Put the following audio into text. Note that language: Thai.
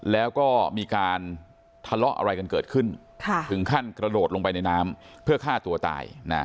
แล้วก็มีการทะเลาะอะไรกันเกิดขึ้นถึงขั้นกระโดดลงไปในน้ำเพื่อฆ่าตัวตาย